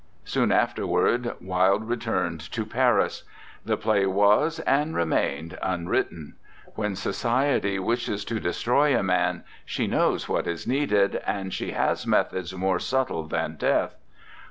Soon afterward Wilde returned to Paris. The play was, and remained, un written. When Society wishes to de stroy a man, she knows what is needed, and she has methods more subtle than death.